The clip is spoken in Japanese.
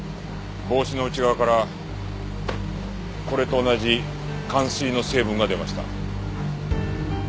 帽子の内側からこれと同じかん水の成分が出ました。